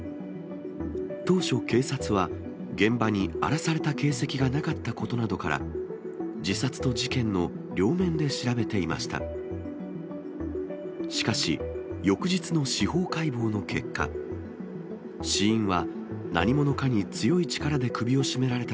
当初、警察は現場に荒らされた形跡がなかったことから、自殺と事件の両面で調べていました。